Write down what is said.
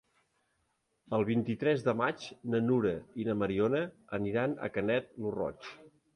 El vint-i-tres de maig na Nura i na Mariona iran a Canet lo Roig.